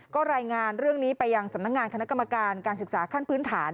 ก็รายงานเรื่องนี้ไปยังสำนักงานคณะกรรมการการศึกษาขั้นพื้นฐาน